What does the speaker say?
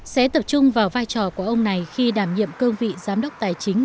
sẽ tập trung vào vai trò của ông này khi đảm nhiệm cương vị giám đốc tài chính